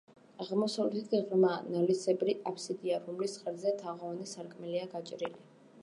აღმოსავლეთით ღრმა, ნალისებრი აფსიდია, რომლის ღერძზე თაღოვანი სარკმელია გაჭრილი.